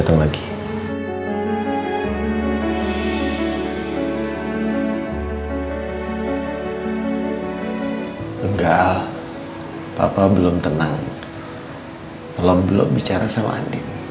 tolong belum bicara sama andien